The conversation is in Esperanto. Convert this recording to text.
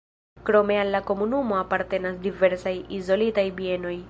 Krome al la komunumo apartenas diversaj izolitaj bienoj.